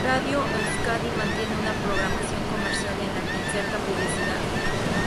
Radio Euskadi mantiene una programación comercial en la que inserta publicidad.